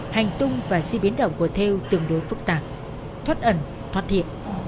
hành tung và di biến động của thêu tương đối phức tạp thoát ẩn thoát thiện